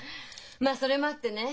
まあそれもあってね